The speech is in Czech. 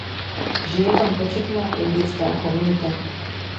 Žije tam početná indická komunita.